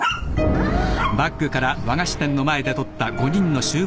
あっ。